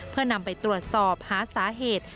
เพื่อนำไปตรวจสอบหาสาเหตุ